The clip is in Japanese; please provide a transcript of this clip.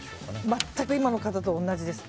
全く今の方と同じです。